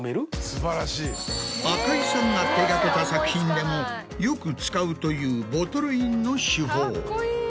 赤井さんが手掛けた作品でもよく使うというボトルインの手法。